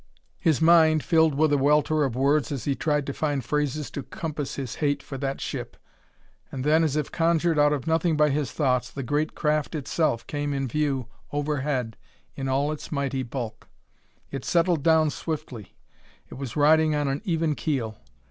His mind, filled with a welter of words as he tried to find phrases to compass his hate for that ship. And then, as if conjured out of nothing by his thoughts, the great craft itself came in view overhead in all its mighty bulk. It settled down swiftly: it was riding on an even keel.